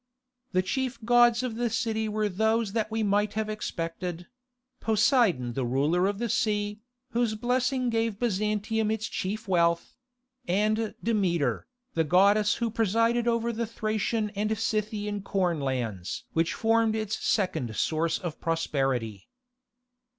(2) The chief gods of the city were those that we might have expected—Poseidon the ruler of the sea, whose blessing gave Byzantium its chief wealth; and Demeter, the goddess who presided over the Thracian and Scythian corn lands which formed its second source of prosperity.